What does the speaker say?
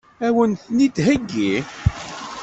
Ad wen-ten-id-theggi?